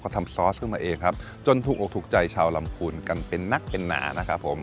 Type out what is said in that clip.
ทำซอสขึ้นมาเองครับจนถูกอกถูกใจชาวลำพูนกันเป็นนักเป็นหนานะครับผม